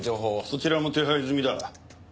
そちらも手配済みだ。